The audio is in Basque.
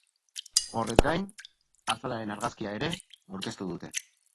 Horrez gain, azalaren argazkia ere aurkeztu dute.